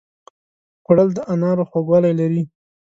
خوړل د انارو خوږوالی لري